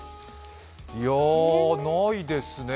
いや、ないですね。